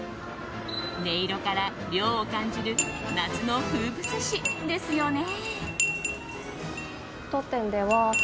音色から涼を感じる夏の風物詩ですよね。